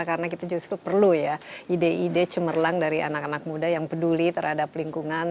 karena kita justru perlu ya ide ide cemerlang dari anak anak muda yang peduli terhadap lingkungan